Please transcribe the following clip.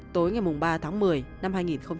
tối ngày ba tháng một mươi năm hai nghìn hai mươi